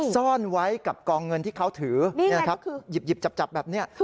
ซ่อนไว้กับกองเงินที่เขาถือนี่แหละครับหยิบจับแบบนี้